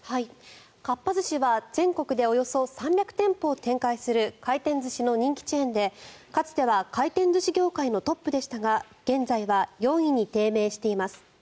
かっぱ寿司は全国でおよそ３００店舗を展開する回転寿司の人気チェーンでかつては回転寿司業界のトップでしたが現在は４位に低迷しています。